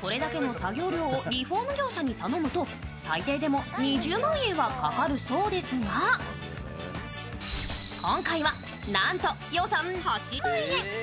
これだけの作業量をリフォーム業者に頼むと、最低でも２０万円はかかるそうですが、今回はなんと予算８万円。